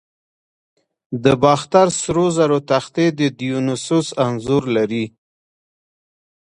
د باختر سرو زرو تختې د دیونوسوس انځور لري